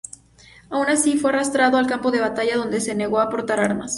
Aun así, fue arrastrado al campo de batalla dónde se negó a portar armas.